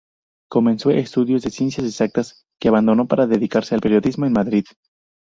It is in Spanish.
Comenzó estudios de ciencia exactas, que abandonó para dedicarse al periodismo en Madrid.